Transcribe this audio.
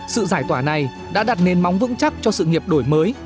sự giải tỏa này đã đặt nền móng vững chắc cho sự nghiệp đổi mới